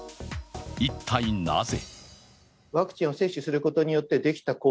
一体なぜ？